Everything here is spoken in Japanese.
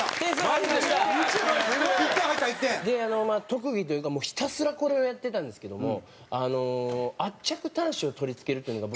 特技というかひたすらこれをやってたんですけども圧着端子を取り付けるというのが。